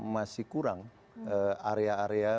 masih kurang area area